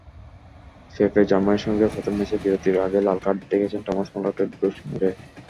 পেপেজার্মানির সঙ্গে প্রথম ম্যাচে বিরতির আগেই লাল কার্ড দেখেছেন টমাস মুলারকে ঢুস মেরে।